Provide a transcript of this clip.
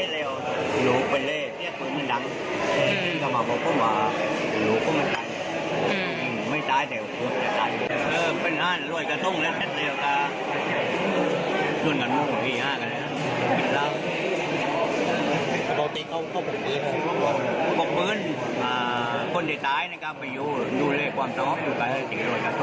ดูเลยความสำอบที่ไปแต่ว่ากะโกรธมันเป็นติดข้อเลยกะโกรธมันสมควรมาก